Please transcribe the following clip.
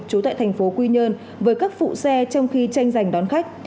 trú tại thành phố quy nhơn với các phụ xe trong khi tranh giành đón khách